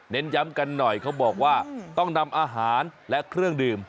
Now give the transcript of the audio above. ย้ำกันหน่อยเขาบอกว่าต้องนำอาหารและเครื่องดื่ม